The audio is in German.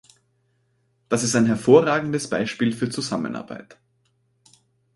Das ist ein hervorragendes Beispiel für Zusammenarbeit.